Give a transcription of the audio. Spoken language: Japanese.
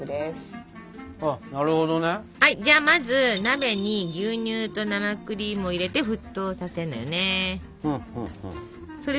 じゃまず鍋に牛乳と生クリームを入れて沸騰させるのよね。